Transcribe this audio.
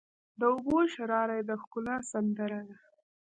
د اوبو شرهاری د ښکلا سندره ده.